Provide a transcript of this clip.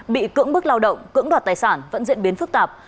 bị cưỡng bức lao động cưỡng đoạt tài sản vẫn diễn biến phức tạp